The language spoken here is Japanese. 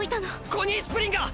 コニー・スプリンガー！